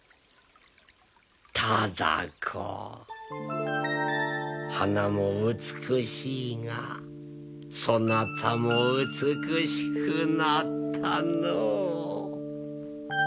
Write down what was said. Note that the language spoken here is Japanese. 多子花も美しいがそなたも美しくなったのう。